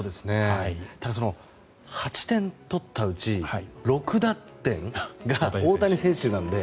ただ、８点取ったうち６打点が大谷選手なので。